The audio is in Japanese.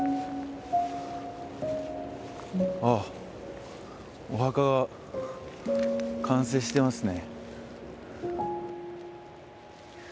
ああ、お墓、完成してますね。